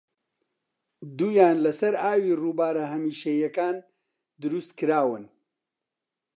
دوویان لەسەر ئاوی رووبارە هەمیشەییەکان دروستکراون